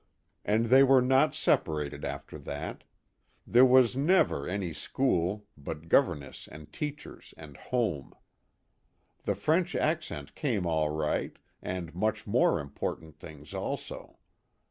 And they were not separated after that. There was " never " any school, but governess and teachers and home. The French accent came all right and much more important things also.